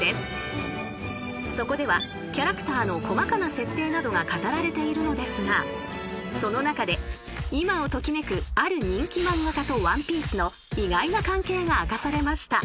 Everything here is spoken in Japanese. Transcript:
［そこではキャラクターの細かな設定などが語られているのですがその中で今を時めくある人気漫画家と『ワンピース』の意外な関係が明かされました］